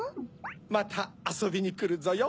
またあそびにくるぞよ。